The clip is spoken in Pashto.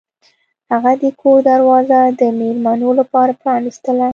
هغه د کور دروازه د میلمنو لپاره پرانیستله.